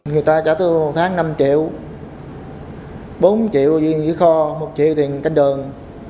người ta trả tư một tháng năm triệu bốn triệu dưới kho một triệu tiền canh đường